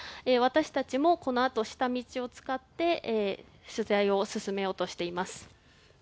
私たちもこのあと下道を使って取材を進めようとしています。